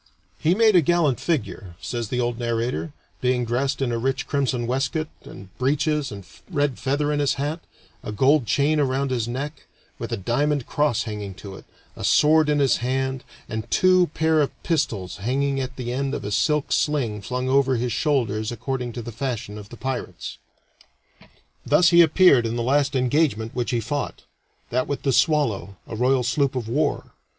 "He made a gallant figure," says the old narrator, "being dressed in a rich crimson waistcoat and breeches and red feather in his hat, a gold chain around his neck, with a diamond cross hanging to it, a sword in his hand, and two pair of pistols hanging at the end of a silk sling flung over his shoulders according to the fashion of the pyrates." Thus he appeared in the last engagement which he fought that with the Swallow a royal sloop of war.